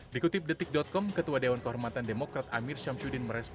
dikutip detik com ketua dewan kehormatan demokrat amir syamsuddin merespon